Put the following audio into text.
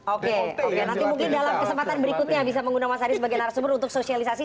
oke nanti mungkin dalam kesempatan berikutnya bisa menggunakan mas haris sebagai narsum untuk sosialisasi